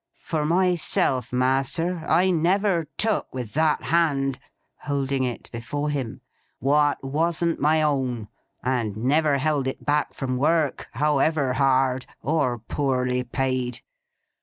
For myself, master, I never took with that hand'—holding it before him—'what wasn't my own; and never held it back from work, however hard, or poorly paid.